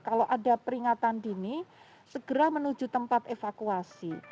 kalau ada peringatan dini segera menuju tempat evakuasi